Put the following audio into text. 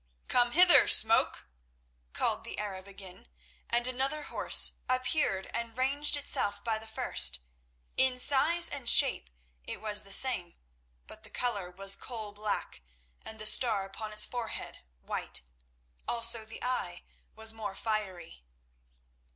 "Come hither, Smoke," called the Arab again, and another horse appeared and ranged itself by the first. In size and shape it was the same, but the colour was coal black and the star upon its forehead white. Also the eye was more fiery.